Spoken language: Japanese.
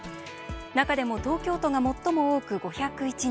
中でも東京都が最も多く５０１人。